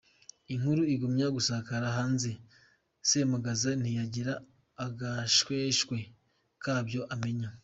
Inkuru igumya gusakara hanze, Semugaza ntiyagira agashweshwe kabyo amenya.